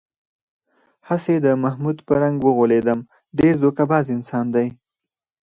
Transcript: هسې د محمود په رنگ و غولېدم، ډېر دوکه باز انسان دی.